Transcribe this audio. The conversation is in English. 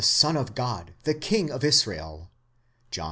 Son of God, the King of Jsrael (John i.